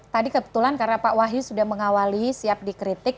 tadi kebetulan karena pak wahyu sudah mengawali siap dikritik